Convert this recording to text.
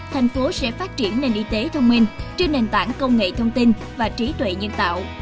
thành phố sẽ phát triển nền y tế thông minh trên nền tảng công nghệ thông tin và trí tuệ nhân tạo